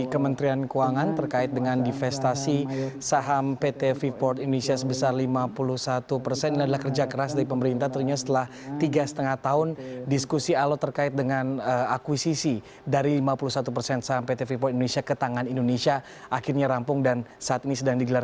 kementerian keuangan telah melakukan upaya upaya